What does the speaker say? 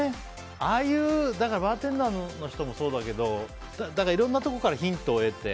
ああいうバーテンダーの人もそうだけどいろんなところからヒントを得て。